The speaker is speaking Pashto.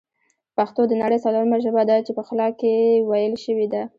پښتو د نړۍ ځلورمه ژبه ده چې په خلا کښې ویل شوې ده